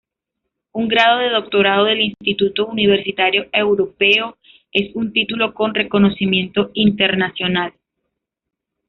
Un grado de doctorado del Instituto Universitario Europeo es un título con reconocimiento internacional.